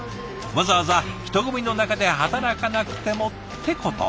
わざわざ人混みの中で働かなくてもってこと。